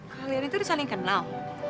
kalian itu disaling kenal